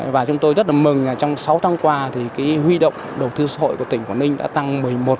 và chúng tôi rất là mừng trong sáu tháng qua huy động đầu tư xã hội của tỉnh quảng ninh đã tăng một mươi một sáu